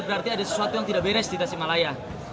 berarti ada sesuatu yang tidak beres di tasik malaya